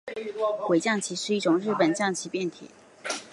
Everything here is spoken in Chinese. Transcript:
鬼将棋是一种日本将棋变体。